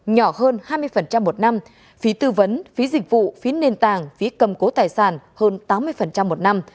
nhỏ hơn hai mươi một năm phí tư vấn phí dịch vụ phí nền tàng phí cầm cố tài sản hơn tám mươi một năm